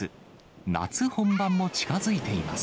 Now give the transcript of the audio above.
夏本番も近づいています。